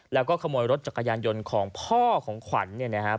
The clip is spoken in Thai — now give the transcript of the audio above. แล้วก็ขโมยรถจักรยานยนต์ของพ่อของขวัญเนี่ยนะครับ